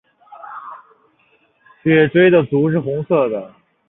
血雉的足是红色的。